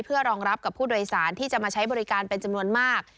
เพื่อรองรับกับผู้โดยสารที่จะมาใช้บริการเป็นจำนวนมาก